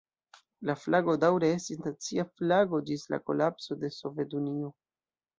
La flago daŭre estis nacia flago ĝis la kolapso de Sovetunio.